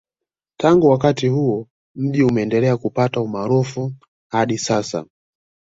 Tangu wakati huo mji umendelea kupata umaarufu hadi sasa